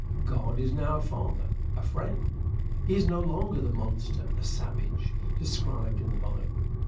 God is now a father a friend. He is no longer the monster, the savage, described in the Bible.